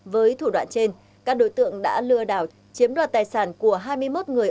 với thủ đoạn trên các đối tượng đã lừa đảo chiếm đoạt tài sản của hai mươi một người